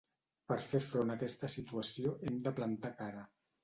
Per fer front a aquesta situació hem de plantar cara.